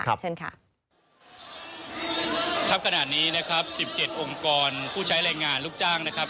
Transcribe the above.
เชิญค่ะครับขนาดนี้นะครับสิบเจ็ดองค์กรผู้ใช้แรงงานลูกจ้างนะครับ